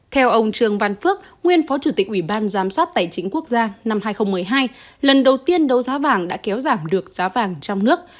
theo ông trường văn phước nguyên phó chủ tịch ủy ban giám sát tài chính quốc gia năm hai nghìn một mươi hai lần đầu tiên đấu giá vàng đã kéo giảm được